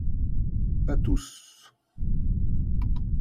Pas tous